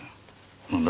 何だ？